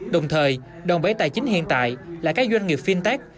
đồng thời đồng bấy tài chính hiện tại là các doanh nghiệp fintech